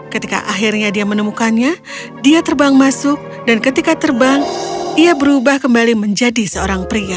ketika akhirnya dia menemukannya dia terbang masuk dan ketika terbang ia berubah kembali menjadi seorang pria